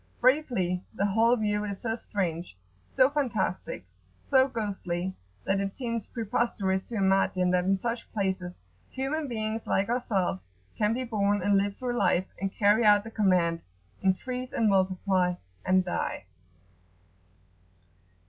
Briefly, the whole view is so strange, so fantastic, so ghostly, that it seems preposterous to imagine that in such places human beings like ourselves can be born, and live through life, and carry out the command "increase and multiply," and die.